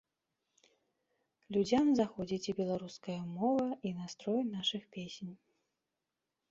Людзям заходзіць і беларуская мова, і настрой нашых песень.